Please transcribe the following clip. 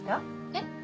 えっ？